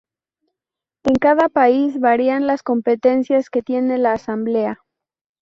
En cada país varían las competencias que tiene la asamblea.